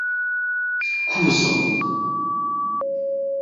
kuzo